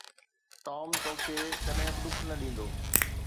Tom توکي ڪڏهن به ڏک نه ڏيندو